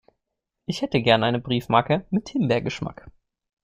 Ich hätte gern eine Briefmarke mit Himbeergeschmack.